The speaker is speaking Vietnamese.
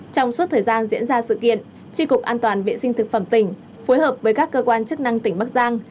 trong suốt thời gian diễn ra sự kiện tri cục an toàn vệ sinh thực phẩm tỉnh phối hợp với các cơ quan chức năng tỉnh bắc giang